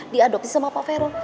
diadopsi sama pak vero